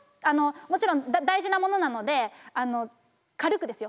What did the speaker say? もちろん大事なものなので軽くですよ